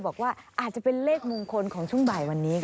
บอกว่าอาจจะเป็นเลขมงคลของช่วงบ่ายวันนี้ค่ะ